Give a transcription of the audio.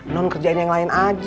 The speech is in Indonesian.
non kerjain yang lain aja